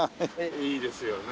いいですよね